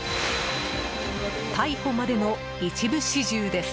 逮捕までの一部始終です。